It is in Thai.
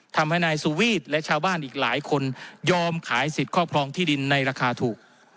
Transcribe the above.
ทำให้นายสุวีทและชาวบ้านอีกหลายคนยอมขายสิทธิ์ครอบครองที่ดินในราคาถูก